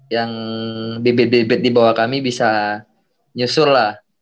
yang bibit bibit di bawah kami bisa nyusul lah